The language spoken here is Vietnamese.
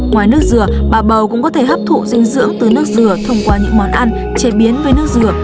ngoài nước dừa bà bầu cũng có thể hấp thụ dinh dưỡng từ nước dừa thông qua những món ăn chế biến với nước dừa